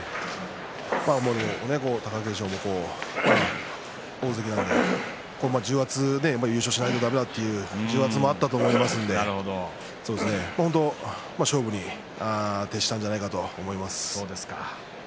貴景勝も大関なので優勝しないとだめだという重圧もあったと思いますので勝負に徹したんじゃないかと思います。